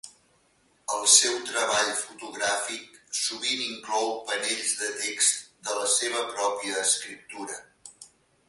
El seu treball fotogràfic sovint inclou panells de text de la seva pròpia escriptura.